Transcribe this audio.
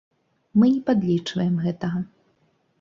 Мы не падлічваем гэтага.